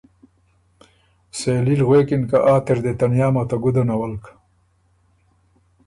سېلي ل غوېکِن که ”آ تِر دې تنیامه ته ګُده نولک؟“